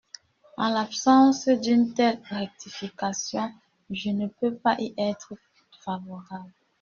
» En l’absence d’une telle rectification, je ne peux pas y être favorable.